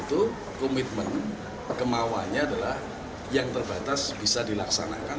itu komitmen kemauannya adalah yang terbatas bisa dilaksanakan